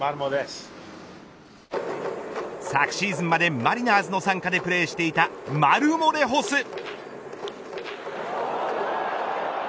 昨シーズンまでマリナーズの傘下でプレーしていたマルモレホス。